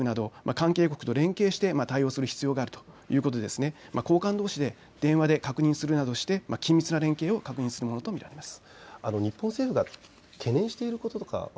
また政府としてはアメリカや韓国など関係国と連携して対応する必要があるということで高官どうしで電話で確認するなどして緊密な連携を確認するものと見られます。